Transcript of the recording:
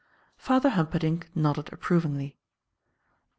Father Humperdinck nodded approvingly.